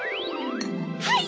はい！